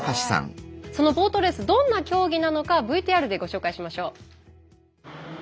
そのボートレースどんな競技なのかＶＴＲでご紹介しましょう。